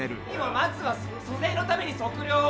まずは租税のために測量を。